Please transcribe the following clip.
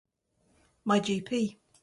My GP.